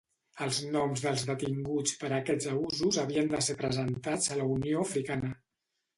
Els noms dels detinguts per aquests abusos havien de ser presentats a la Unió Africana.